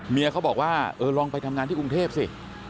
เขาบอกว่าเออลองไปทำงานที่กรุงเทพสิ